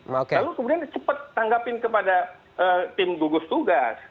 lalu kemudian cepat tanggapin kepada tim gugus tugas